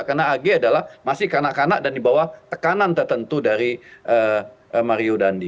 karena agh adalah masih kanak kanak dan dibawah tekanan tertentu dari mario dandi